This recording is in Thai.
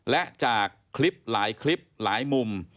และจากคลิปหลายคลิปหลายมุม